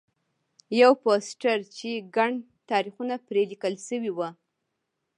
یو پوسټر چې ګڼ تاریخونه پرې لیکل شوي وو.